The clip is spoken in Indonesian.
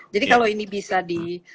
jadi kalau ini bisa di